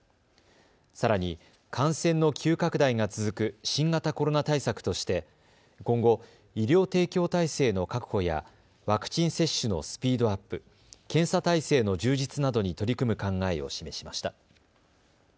さらに感染の急拡大が続く新型コロナ対策として今後、医療提供体制の確保やワクチン接種のスピードアップ、検査態勢の充実などに取り組む考えを示しました。